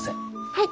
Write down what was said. はい。